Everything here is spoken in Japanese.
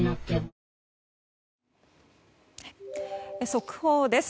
速報です。